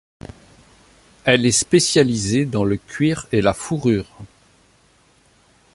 Elle est spécialisée dans le cuir et la fourrure.